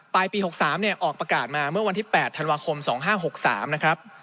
ปี๖๓ออกประกาศมาเมื่อวันที่๘ธันวาคม๒๕๖๓นะครับ